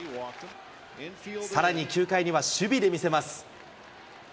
さらに９回には守備で見せます。